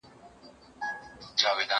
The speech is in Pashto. زه کولای سم مړۍ وخورم!.